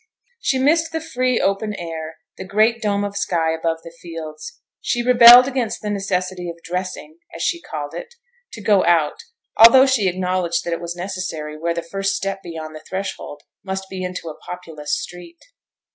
She missed the free open air, the great dome of sky above the fields; she rebelled against the necessity of 'dressing' (as she called it) to go out, although she acknowledged that it was a necessity where the first step beyond the threshold must be into a populous street.